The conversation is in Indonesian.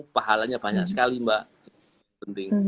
pahalanya banyak sekali mbak